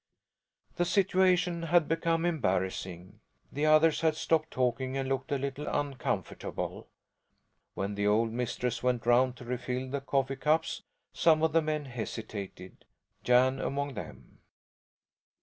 The situation had become embarrassing. The others had stopped talking and looked a little uncomfortable. When the old mistress went round to refill the coffee cups some of the men hesitated; Jan among them.